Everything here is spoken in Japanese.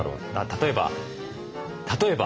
例えば例えば。